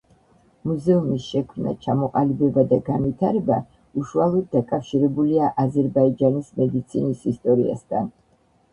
მუზეუმის შექმნა, ჩამოყალიბება და განვითარება უშუალოდ დაკავშირებულია აზერბაიჯანის მედიცინის ისტორიასთან.